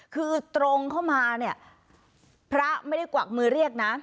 คือตรงเข้ามาเนี่ยพระไม่ได้กวักมือเรียกนะ